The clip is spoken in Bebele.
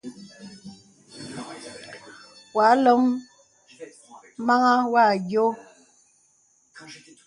Wà àlôm màŋhàŋ wà ādio.